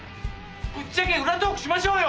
ぶっちゃけ裏トークしましょうよ！